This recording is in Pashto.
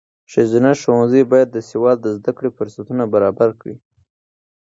ښځینه ښوونځي باید د سواد د زده کړې فرصتونه برابر کړي.